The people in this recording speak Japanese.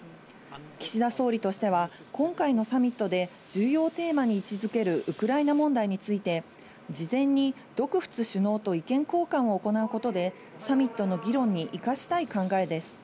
岸田総理としては、今回のサミットで重要テーマに位置づけるウクライナ問題について、事前に意見交換を行うことでサミットの議論に生かしたい考えです。